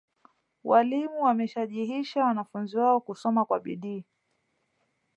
Walimu wameshajihisha wanafunzi wao kusoma kwa bidi.